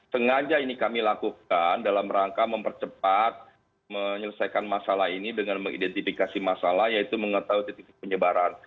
sengaja ini kami lakukan dalam rangka mempercepat menyelesaikan masalah ini dengan mengidentifikasi masalah yaitu mengetahui titik titik penyebaran